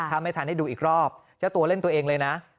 ถ้าไม่ทันได้ดูอีกรอบเจ้าตัวเล่นตัวเองเลยนะ